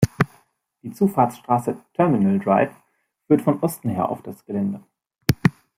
Die Zufahrtsstraße "Terminal Drive" führt von Osten her auf das Gelände.